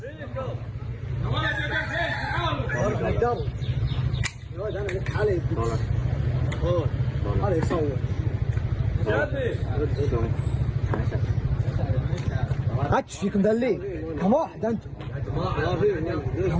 ซื้อแรกที่ต้องการการต่อไป